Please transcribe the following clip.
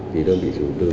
thì đơn vị chủ tư